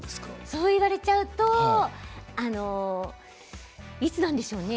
そういわれてしまうといつなんでしょうね。